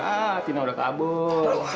ah tina udah kabur